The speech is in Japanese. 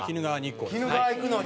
鬼怒川行くのに？